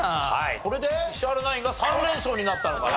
これで石原ナインが３連勝になったのかな？